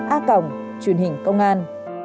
a truyền hình công an